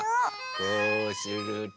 こうすると。